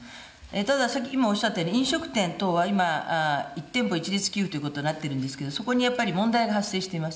ただ、今おっしゃったように、飲食店等は今、１店舗一律給付ということになっているんですけれども、そこにやっぱり問題が発生しています。